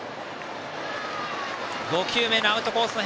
５球目のアウトコースの